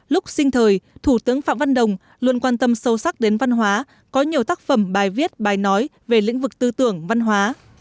lúc sinh thời thủ tướng phạm văn đồng luôn quan tâm sâu sắc đến văn hóa có nhiều tác phẩm bài viết bài nói về lĩnh vực tư tưởng văn hóa